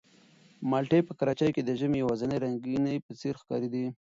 مالټې په کراچۍ کې د ژمي د یوازینۍ رنګینۍ په څېر ښکارېدې.